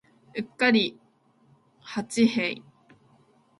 うっかり八兵衛